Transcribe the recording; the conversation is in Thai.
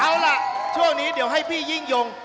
เอาล่ะช่วงนี้เดี๋ยวให้พี่ยิ่งยง